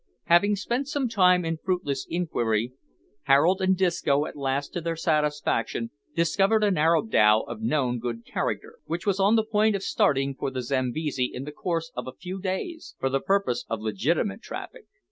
Having spent some time in fruitless inquiry, Harold and Disco at last to their satisfaction, discovered an Arab dhow of known good character, which was on the point of starting for the Zambesi in the course of a few days, for the purpose of legitimate traffic.